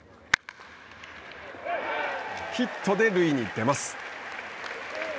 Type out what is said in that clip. ヒットで塁に出ます。